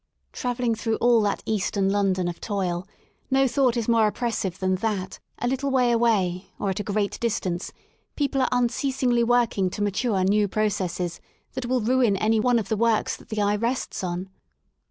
Travelling through all that eastern London of toil, no thought is more oppressive than that: a little way away or at a great distance people are unceasingly working to mature new processes that will ruin any one of the works that the eye rests on.